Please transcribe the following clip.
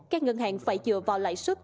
các ngân hàng phải dựa vào lãi suất